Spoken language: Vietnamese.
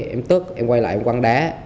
em tức em quay lại em quăng đá